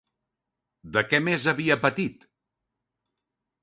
De què més havia patit?